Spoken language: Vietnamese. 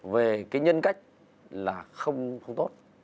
về cái nhân cách là không tốt